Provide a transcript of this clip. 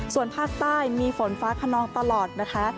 ส่วนภาคใต้มีฝนฟ้าขนองตลอดนะคะ